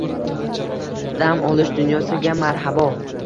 “Dam olish dunyosi”ga marhabo